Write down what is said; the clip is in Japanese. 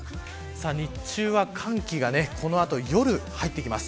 日中は寒気がこの後夜入ってきます。